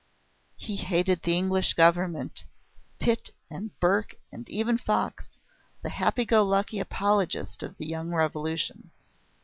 He hated the English government, Pitt and Burke and even Fox, the happy go lucky apologist of the young Revolution.